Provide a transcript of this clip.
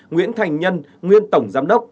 nguyễn thành nhân nguyên tổng giám đốc